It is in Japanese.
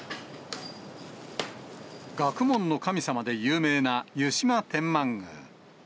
学問の神様で有名な湯島天満宮。